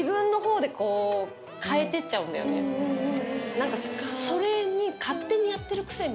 何かそれに。